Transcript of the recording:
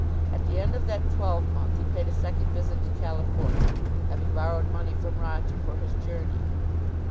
At the end of that twelvemonth he paid a second visit to California, having borrowed money from Roger for his journey.